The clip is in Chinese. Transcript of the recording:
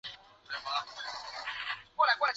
夜间减少蓝光照射与褪黑激素分泌增加有关。